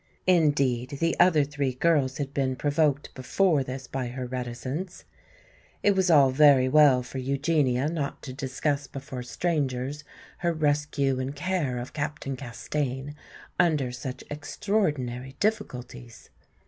Indeed, the other three girls had been provoked before this by her reticence. It was all very well for Eugenia not to discuss before strangers her rescue and care of Captain Castaigne under such extraordinary difficulties.